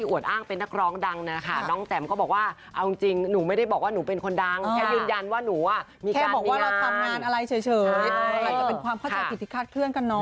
ก็จะเป็นความเข้าใจผิดที่คาดเคลื่อนกับน้อง